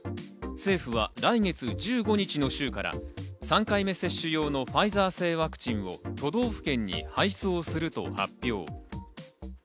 政府は来月１５日の週から３回目接種用のファイザー製ワクチンを都道府県に配送すると発表。